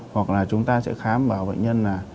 hoặc là chúng ta sẽ khám vào bệnh nhân là